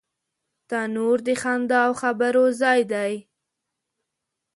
تنور د خندا او خبرو ځای دی